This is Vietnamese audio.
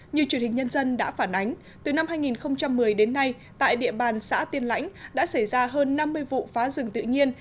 như truyền hình nhân dân đã phản ánh từ năm hai nghìn một mươi đến nay tại địa bàn xã tiên lãnh đã xảy ra hơn năm mươi vụ phá rừng tự nhiên